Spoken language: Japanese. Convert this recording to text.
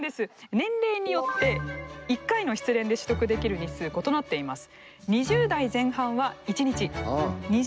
年齢によって１回の失恋で取得できる日数異なっています。